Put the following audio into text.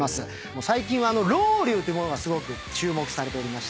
最近はロウリュウというものがすごく注目されておりまして。